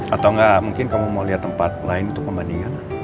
atau enggak mungkin kamu mau lihat tempat lain untuk pembandingan